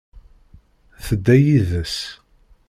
Tedda yides.